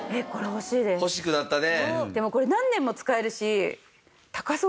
欲しくなったね。